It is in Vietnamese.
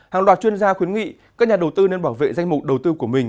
hàng loạt chuyên gia khuyến nghị các nhà đầu tư nên bảo vệ danh mục đầu tư của mình